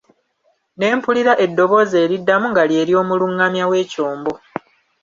Ne mpulira eddoboozi eriddamu nga lye ly'omulunnamya w'ekyombo.